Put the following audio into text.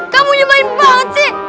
kamu nyemain banget cik